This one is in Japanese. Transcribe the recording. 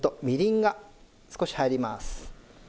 みりんが少し入ります。